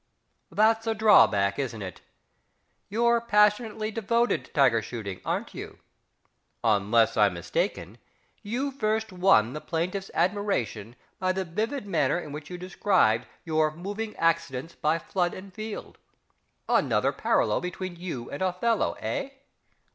That's a drawback, isn't it? You're passionately devoted to tiger shooting, aren't you? Unless I'm mistaken, you first won the plaintiff's admiration by the vivid manner in which you described your "moving accidents by flood and field" another parallel between you and OTHELLO, eh?